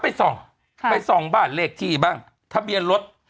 ก็ซ่อไปสองบ้านเลขที่บ้างทะเบียนรถ